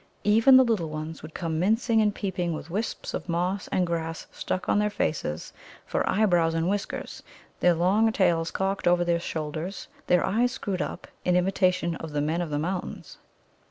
Even the little ones would come mincing and peeping with wisps of moss and grass stuck on their faces for eyebrows and whiskers, their long tails cocked over their shoulders, their eyes screwed up, in imitation of the Men of the Mountains.